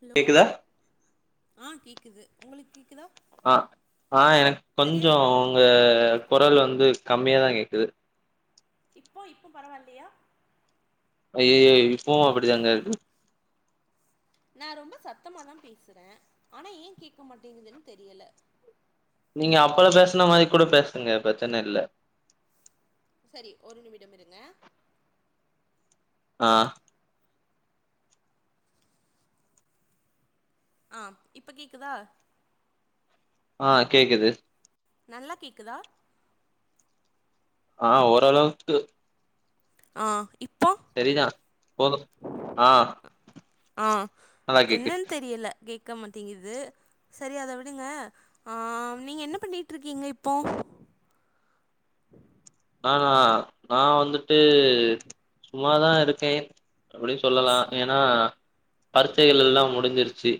hello கேக்குதா ஆ கேக்குது உங்களுக்கு கேக்குதா அ ஆ எனக்கு சரியா கொஞ்சோ உங்க கொரல் வந்து கம்மியாதா கேக்குது இப்போ இப்போ பரவால்லையா ஐய்யயோ இப்பவு அப்டிதாங்க இருக்கு நா ரொம்ப சத்தமா தா பேசுற ஆனா ஏ கேட்க மாட்டேங்குதுன்னு தெரியல நீங்க அப்பத பேசுன மாரி கூட பேசுங்க பிரச்சன இல்ல சரி ஒரு நிமிடம் இருங்க ஆ ஆ இப்ப கேக்குதா ஆ கேக்குது நல்லா கேக்குதா ஆ ஓரளவுக்கு ஆ இப் சரிதா போது ஆ ஆ நல்லா கேக்குது என்னன்னு தெரில கே க்க மாட்டேங்குது செரி அத விடுங்க ஆ நீங்க என்ன பண்ணிட்டு இருக்கீங்க இப்போ நானா நா வந்துட்டு சும்மாதா இருக்கே அப்டி சொல்லலா ஏன்னா பரிச்சைகள் எல்லா முடிஞ்சிருச்சு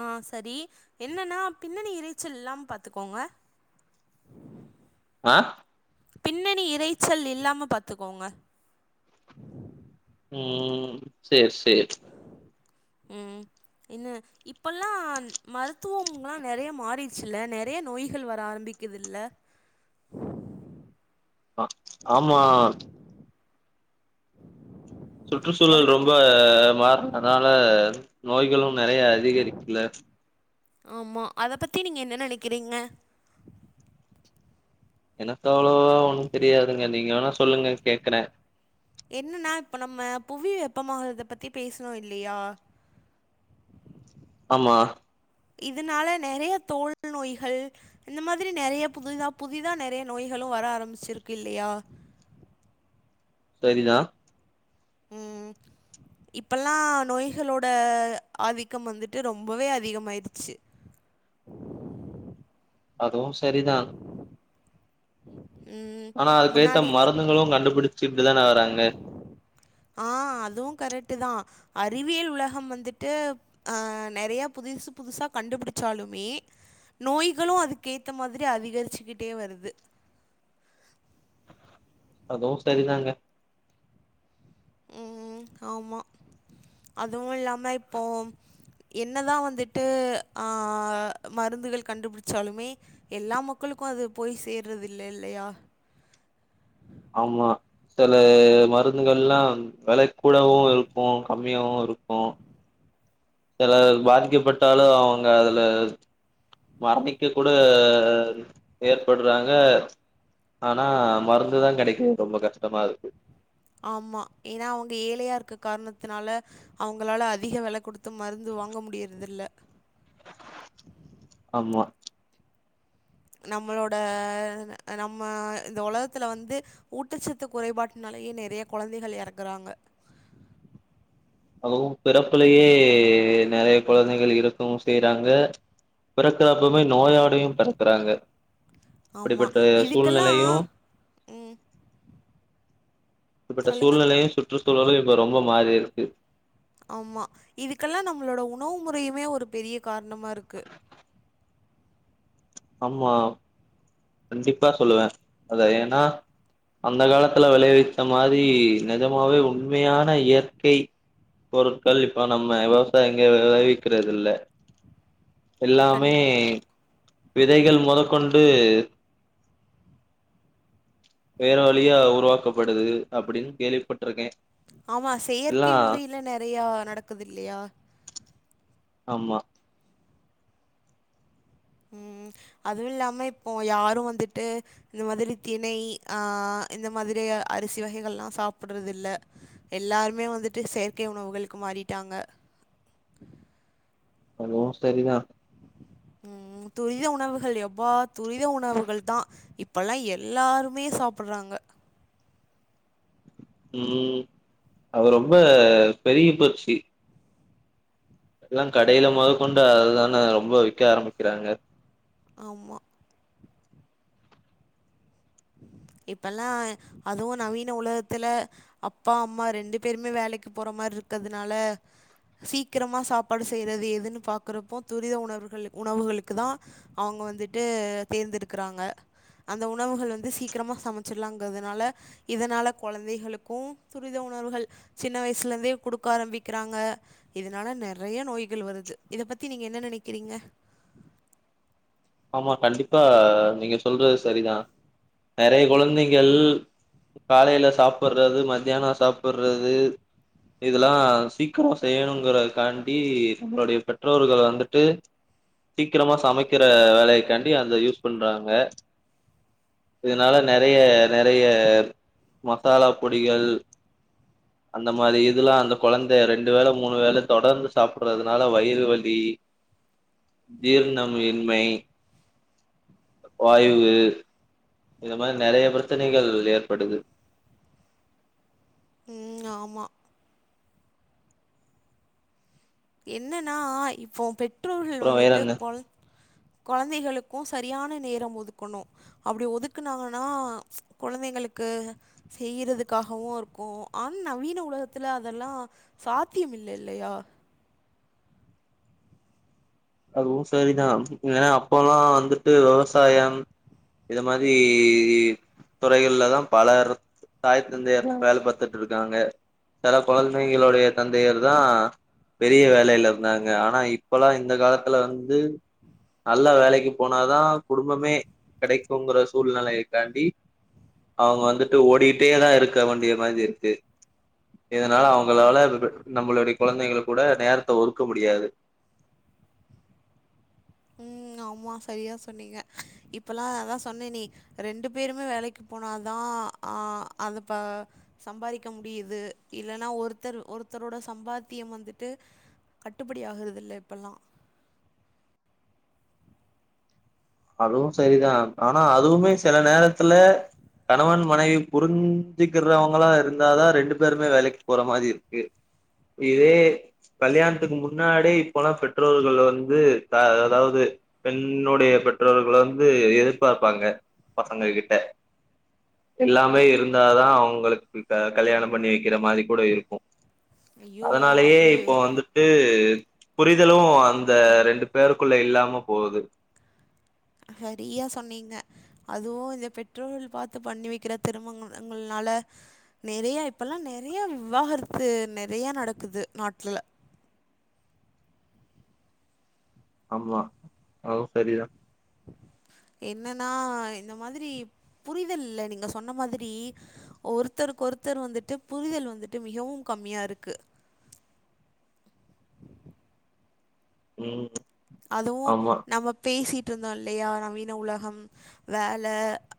ஆ சரி என்னன்னா பின்னணி இறைச்சல் இல்லாம பாத்துக்கோங்க ஆ பின்னனி இறைச்சல் இல்லாம பாத்துக்கோங்க ம் செரி செரி ம் என்ன இப்பல்லா மருத்துவம்ல்லா நெறைய மாறிச்சுல்ல நெறைய நோய்கள் வர ஆரம்பிக் கிதுல்ல ஆ ஆமா அத சுற்றுச்சூழல் ரொம்ப மாறுனனால நோய்களு நெறைய அதிகரிக்குள்ள ஆமா அத பத்தி நீங்க என்ன நினைக்கிறீங்க எனக்கு அவ்ளோவா ஒண்ணு தெரியாதுங்க நீங்க வேணா சொல்லுங்க கேக்குற என்னன்னா இப்ப நம்ம புவி வெப்பமாகறத பத்தி பேசனோ இல்லையா ஆமா இதுனால நெறைய தோல் நோய்ஹள் இந்த மாதிரி நெறைய புதிதா புதிதா நெறைய நோய்களும் வர ஆரம்பிச்சிர்க்கு இல்லையா செரிதா ம் இப்பல்லா நோய்ஹளோட ஆதிக்கம் வந்துட்டு ரொம்பவே அதிகமாயிருச்சி அதுவும் சரிதான் ம் ஆனா அதுக்கேத்த முன்னாடில்லா மருந்துகளு கண்டுபுடிச்சியிட்டு தான வராங்க ஆ அதுவும கரெக்ட்டுதா அறிவியல் உலஹம் வந்துட்டு ஆ நறைய புது துசு புதுசா கண்டுப்புடிச்சாலுமே நோய்களு அதுக்கேத்த மாதிரி அதிகரிச்சிக்கிட்டே வருது அதுவு சரிதாங்க ம் ஆமா அதுவு இல்லாம இப்போ என்னதா வந்துட்டு ஆ மருந்துகள் கண்டுப்புடிச்சாலுமே எல்லா மக்கள் க்கு அது போய் சேர்றதில்லே இல்லையா ஆமா சில மருந்துகள்ல்லாம் வெல கூடவு இருக்கு கம்மியாவு இருக்கு சிலர் பாதிக்கப்பட்டாலு அவங்க அதுல மரதிக்குக் கூட ஏற்பட்றாங்க ஆனா மருந்துதா கெடைக்க ரொம்ப கஸ்ட்டமா இருக்கு ஆமா ஏன்னா அவங்க ஏழையா இருக்கக் காரணத்தினால அவுங்களால அதிக வெல குடுத்து மருந்து வாங்க முடியற்தில்ல மா நம்மளோட அ நம்ம இந்த ஒலகத்துல வந்து ஊட்டச்சத்து குறைப்பாட்னால் ய நெறைய கொழந்தைகள் எறக்குறாங்க அதுவு பிறப்புலயே நெறைய கொழந்தைகள் இறக்கவு செய்றாங்க பிறக்குறப்பவ்மே நோயடையு பெறக்குறாங்க ஆமா அப்டிப்பட்ட இதுக்கெல்லாம் சூழ்நெலையு இப்டிப்பட்ட சொல்லுங்க சூழ்நிலையு சுற்றுச்சூழலு இப்ப ரொம்ப மாரிருக்கு ஆமா இதுக்கெல்லா நம்மளோட உணவு முறையுமே ஒரு பெரிய காரணமா இருக்கு ஆமா கண்டிப்பா சொல்லுவ அத ஏனா அந்தக் காலத்துல வெளைவிச்ச மாரி நெஜமாவே உண்மையான இயற்கை பொருட்கள் இப்போ நம்ம விவசாய்ங்க வெளைவிக்கிறதில்ல எல்லாமே கண்டிப்பா விதைகள் மொதக்கொண்டு வேற வழியா உருவாக்கப்படுது அப்புடின் கேள்விப்பட்ருக்கே ஆமா செயற்கை முறையில நெறையா நடக்குதில்லையா ஆமா ம் அதுவு இல்லாம இப்போ யாரு வந்துட்டு இந்த மாதிரி திணை ஆ அ இந்த மாதிரி அ அரிசி வகைகள்ல்லா சாப்புட்றதில்ல எல்லாருமே வந்துட்டு செயற்கை உணவுகளுக்கு மாறிட்டாங்க அதுவு சரிதா ம் துரித உணவுகள் எப்பா துரித உணவுகள்தா இப்பொல்லா எல்லாருமே சாப்புர்றாங்க ம் அது ரொம்ப பெருகிப் போச்சி எல்லா கடையில மொதக்கொண்டு அத தான ரொம்ப விக்க ஆரம்பிக்கிறாங்க ஆமா இப்பெல்லா அதுவு நவீன உலகத்துல அப்பா அம்மா ரெண்டு பேருமே வேலைக்கு போற மாரி இருக்கறதுனால சீக்கிரமா சாப்பாடு செய்றது எதுன்னு பாக்குறப்போ துரித உணவு உணவுகளுக்கு தா அவுங்க வந்துட்டு தேர்ந்தெடுக்கறாங்க அந்த உணவுகள் வந் சீக்கிரமா சமைச்சிடலாங்கறதுனால இதனால கொழந்தைகளுக்கு துரித உணர்வுகள் சின்ன வயசுல இருந்தே குடுக்க ஆரம்பிக்கிறாங்க இதனால நெறைய நோய்கள் வருது இத பத்தி நீங்க என்ன நெனக்கிறீங்க ஆமா கண்டிப்பா நீங்க சொல்றது சரிதா நெறைய குழந்தைகள் காலைல சாப்பட்றது மத்தியானோ சாப்பட்றது இதெல்லா சீக்கரோ செய்யணுங்கறகாண்டி நம்மளோடைய பெற்றோர்கள் வந்துட்டு சீக்கிரமா சமைக்கற வேலையைக்காண்டி அந்த யூஸ் பண்றாங்க இதனால நெறைய நெறைய மசாலா பொடிகள் அந்த மாரி இதுல்லா அந்த கொழந்தைய ரெண்டு வேல மூணு வேல தொடர்ந்து சாப்பட்றதுனால வயிறு வலி ஜீரணமின்மை வாய்வு இத மாரி நெறைய பிரச்சனைகள் ஏற்படுது உம் ஆமா என்னன்னா இப்போ பெற்றோர்கள் அப்புறோ வேற வந்துட்டு என்ன கொழ கொழந்தைகளு க்கு சரியான நேரம் ஒதுக்கணு அப்டி ஒதுக்கனாங்கன்னா குழந்தைங்களுக்கு செய்யறதுக்காகவு இருக்கு ஆனா நவீன உலகத்துல அதெல்லா சாத்தியம் இல்ல இல்லையா அதுவு சரிதா ஏன்னா அப்போல்லா வந்துட்டு விவசாயம் இத மாரி துறைகள்லதா பல தாய் தந்தையர்ல்லா வேல பாத்துட்டு இருக்காங்க செல கெழந்தைகளுடைய தந்தையர் தா பெரிய வேலைல இருந்தாங்க ஆனா இப்பல்லா இந்த காலத்துல வந்து நல்லா வேலைக்கு போனாதா குடும்பமே கெடைக்குங்கற சூழ்நெலைய காண்டி அவுங்க வந்துட்டு ஓடிக்கிட்டே தா இருக்க வண்டிய மாரி இருக்கு இதனால அவங்களால நம்மளுடைய குழந்தைங்க கூட நேரத்த ஒதுக்க முடியாது உம் ஆமா சரியா சொன்னீங்க இப்பல்லா அதா சொன்னனே ரெண்டு பேருமே வேலைக்கு போனா தா அதப்ப சம்பாதிக்க முடியுது இல்லன்னா ஒருத்தர் ஒரு ஒருத்தரோட சம்பாத்தியம் வந்துட்டு கட்டுப்படி ஆகறது இல்ல இப்பெல்லா அதுவு சரிதா ஆனா அதுவுமே சில நேரத்துல கணவன் மனைவி புரிஞ்சுக்கிறவங்களா இருந்தாதா ரெண்டு பேருமே வேலைக்கு போற மாரி இருக்கு இதே கல்யாணத்துக்கு முன்னாடே இப்போல்லா பெற்றோர்கள் வந்து அதாவது பெண்ணோடைய பெற்றோர்கள் வந்து எதிர்பாப்பாங்க பசங்க கிட்ட எல்லாமே இருந்தாதா அவங்களுக்கு க கல்யாணோ பண்ணி வெக்கிற மாரி கூட இருக்கு ஐயோ அதனாலயே அது இப்போ வந்துட்டு புரிதலு அந்த ரெண்டு பேருக்குள்ள இல்லாம போது சரியா சொன்னீங்க அதுவு இந்த பெற்றோர்கள் பாத்து பண்ணி வைக்கிற திருமங்கள்லா னால நெறைய இப்பல்லா நெறைய விவாகரத்து நெறைய நடக்குது நாட்ல [inaudible] ஆமா அதுவு சரிதா [inaudible] என்னன்னா இந்த மாதிரி புரிதல் இல்ல நீங்க சொன்ன மாரி ஒருத்தருக்கு ஒருத்தர் வந்துட்டு புரிதல் வந்துட்டு மிகவு கம்மியா இருக்கு [inaudible] உம் அதுவு நம்ம பேசிட் இருந்தோ இல்லையா நவீன உலகம் வேல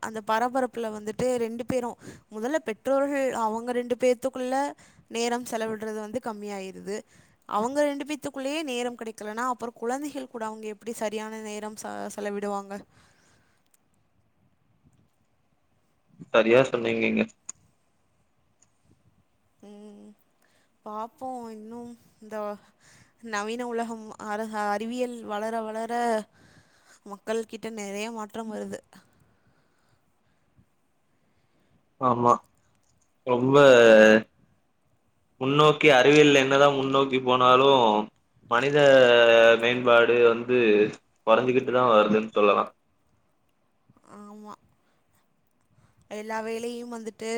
அந்த பரபரப்புல வந்துட்டு ரெண்டு பேரு மொதல்ல பெற்றோர்கள் அவங்க ரெண்டு பேத்துக்குள்ள நேரம் செலவிடுறது வந்து கம்மி ஆயிருது அவங்க ரெண்டு பேத்துக்குள்ளே நேரம் கடைக்கலனா அப்பறோ குழந்தைகள் கூட அவங்க எப்டி சரியான நேரம் ச செலவிடுவாங்க சரியா சொன்னீங்கங்க ம் பாப்போ இன்னு இந்த நவீன உலகம் அ அறிவியல் வளர வள ர மக்கள் கிட்ட நிறைய மாற்றம் வருது ஆமா ரொம்ப முன்னோக்கி அறிவியல் என்னதா முன்னோக்கி போனாலு மனித மேம்பாடு வந்து கொறைஞ்சகிட்டுதா வருதுன் சொல்லலா ஆமா எல்லா வேலையும் வந்துட்டு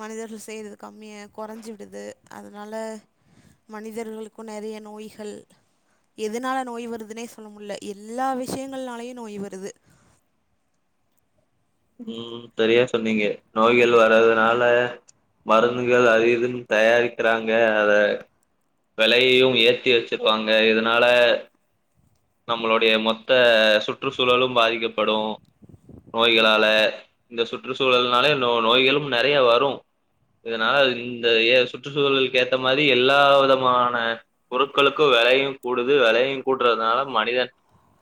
மனிதர்கள் செய்யறது கம்மிய கொறைஞ்சுடுது அதனா ல மனிதர்களுக்கு நெறைய நோய்கள் எதனால நோய் வருதுனே சொல்ல முல்ல எல்லா விஷயங்கள்னாலயு நோய் வருது ம் சரியா சொன்னிங்க நோய்கள் வர்றதுனால மருந்துகள் அது இதுனு தயாரிக்கிறாங்க அத வெலையையு ஏத்தி வெச்சிருப்பாங்க இதனால நம்மளுடைய மொத்த சுற்றுச்சூழலும் பாதிக்கப்படு நோய்களா ல இந்த சுற்றுச்சூழல்னால நோ நோய்களும் நெறைய வரு இதனால இந்த எ சுற்றுச்சூழலுக்கு ஏத்த மாரி எல்லா விதமான பொருட்களுக்கு வெலையு கூடுது வெலையு கூடுறதுனால மனிதன்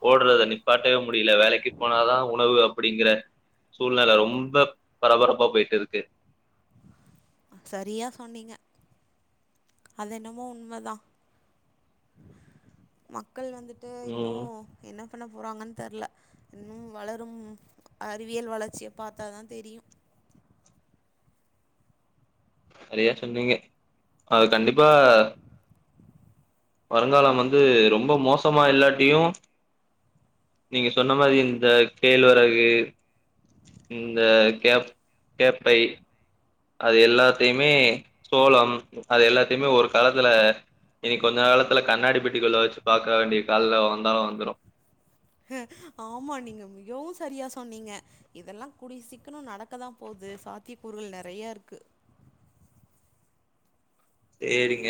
ஓடுறத நிப்பாட்டவே முடியல வேலைக்கு போனாதா உணவு அப்படிங்கற சூழ்நில ரொம்ப பரபரப்பா போயிட்டுருக்கு சரியா சொன்னிங்க அதென்னமோ உண்மதா மக்கள் வந்துட்டு இன்னு ம் என்ன பண்ண போறாங்கன் தெர்ல இன்னும் வளரும் அறிவியல் வளர்ச்சிய பாத்தாதா தெரியு சரியா சொன்னிங்க அது கண்டிப்பா வருங்காலம் வந்து ரொம்ப மோசமா இல்லாட்டியு நீங்க சொன்ன மாரி இந்த கேழ்வரகு இந்த கேப் கேப்பை அது எல்லாத்தையுமே சோளம் அது எல்லாத்தையுமே ஒரு காலத்துல இனி கொஞ்ச காலத்துல கண்ணாடி பெட்டிக்குள்ள வச்சு பாக்க வேண்டிய கால்ல வந்தாலும் வந்துரும் ஹ ஆமா நீங்க மிகவும் சரியா சொன்னீங்க இதெல்லாம் கூடிய சீக்கிரம் நடக்கதான் போது இது சாத்தியக்கூறுகள் நறைய இருக்கு சேரிங்க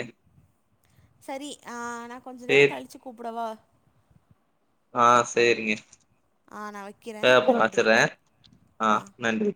சரி ஆ நான் கொஞ்ச நேரம் சேரி கழிச்சு கூப்புடுவா ஆ செரிங்க ஆ நான் ஆ வைக்கிறேன் அப்ப நன்றி வச்சிடுறேன் ஆ நன்றி